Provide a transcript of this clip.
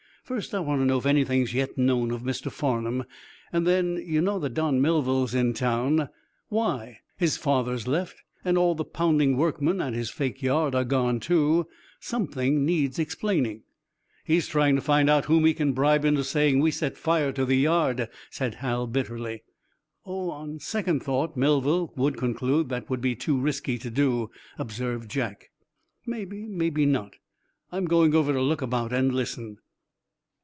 "First, I want to know if anything's yet known of Mr. Farnum. Then, you know that Don Melville's in town. Why? His father's left and all the pounding workmen at his fake yard are gone, too. Something needs explaining." "He's trying to find out whom he can bribe into saying we set fire to the yard," said Hal bitterly. "Oh, on second thought Melville would conclude that would be too risky to do," observed Jack. "Maybe maybe not. I'm going over to look about and listen."